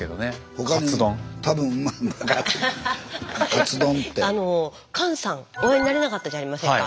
お会いになれなかったじゃありませんか。